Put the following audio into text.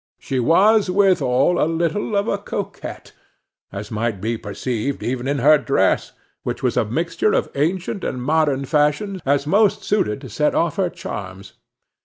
She was withal a little of a coquette, as might be perceived even in her dress, which was a mixture of ancient and modern fashions, as most suited to set off her charms.